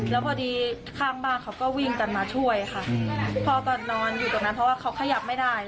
แล้วพอดีข้างบ้านเขาก็วิ่งกันมาช่วยค่ะพ่อก็นอนอยู่ตรงนั้นเพราะว่าเขาขยับไม่ได้